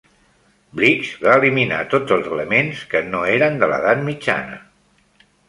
Blix va eliminar tots els elements que no eren de l'Edat Mitjana.